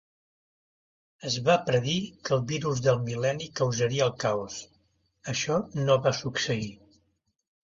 Es va predir que el virus del mil·leni causaria el caos. Això no va succeir.